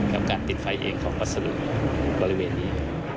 แล้วการติดไฟเองเขาก็สรุปบริเวณนี้